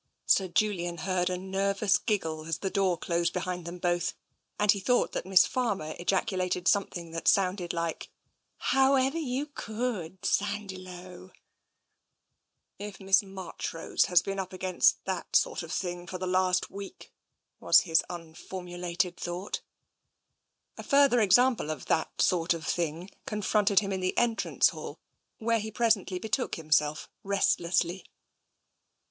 Sir Julian heard a nervous giggle as the door closed behind them both, and he thought that Miss Farmer ejaculated something that sounded like, " However you could, Sandiloe !"" If Miss Marchrose has been up against that sort of thing for the last week ..." was his tmformulated thought. A further example of " that sort of thing " con fronted him in the entrance hall, where he presently be took himself restlessly.